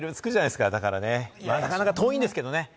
なかなか遠いんですけれどもね。